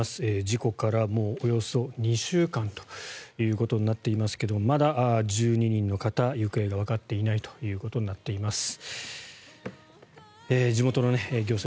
事故からもうおよそ２週間ということになっていますがまだ１２人の方行方がわかっていないということになっています。